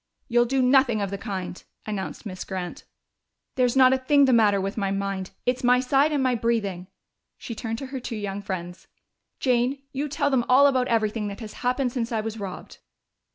"You'll do nothing of the kind!" announced Miss Grant. "There's not a thing the matter with my mind it's my side and my breathing." She turned to her two young friends. "Jane, you tell them all about everything that has happened since I was robbed."